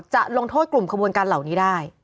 จะลงโทษกลุ่มขบวนการเหล่านี้ได้